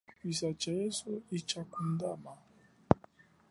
Kwiza tsha yesu hitshakundama.